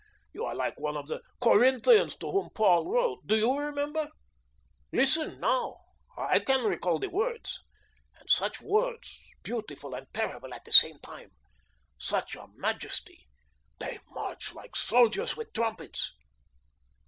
You are like one of the Corinthians to whom Paul wrote. Do you remember? Listen now. I can recall the words, and such words, beautiful and terrible at the same time, such a majesty. They march like soldiers with trumpets.